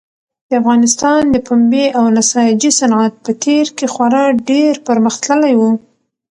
د افغانستان د پنبې او نساجي صنعت په تېر کې خورا ډېر پرمختللی و.